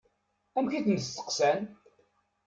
Amek i ten-steqsan?